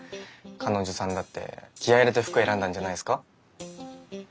彼女さんだって気合い入れて服選んだんじゃないっすか？